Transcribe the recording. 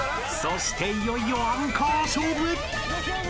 ［そしていよいよアンカー勝負へ！］